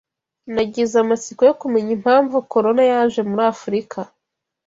Nagize amatsiko yo kumenya impamvu corona yaje muri afurika.